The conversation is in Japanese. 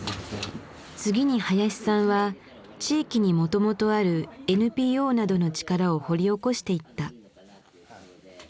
次に林さんは地域にもともとあるＮＰＯなどの力を掘り起こしていった。